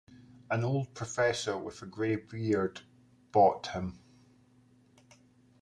An old professor with a gray beard bought him.